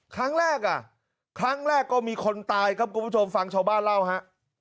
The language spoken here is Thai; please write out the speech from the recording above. ครั้งแรกอ่ะครั้งแรกก็มีคนตายครับคุณผู้ชมฟังชาวบ้านเล่าฮะ